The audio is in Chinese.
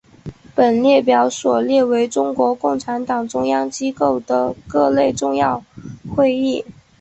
本列表所列为中国共产党中央机构的各类重要会议。